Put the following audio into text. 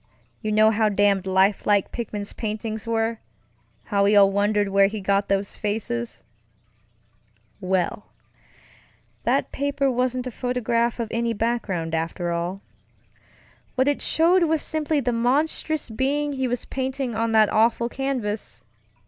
You know how damned lifelike Pickman's paintings wereŌĆöhow we all wondered where he got those faces. WellŌĆöthat paper wasn't a photograph of any background, after all. What it showed was simply the monstrous being he was painting on that awful canvas.